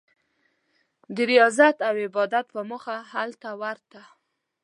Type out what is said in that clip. د ریاضت او عبادت په موخه هلته ورته.